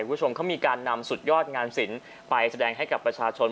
คุณผู้ชมเขามีการนำสุดยอดงานศิลป์ไปแสดงให้กับประชาชน